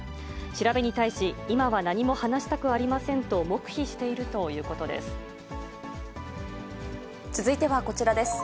調べに対し、今は何も話したくはありませんと黙秘しているという続いてはこちらです。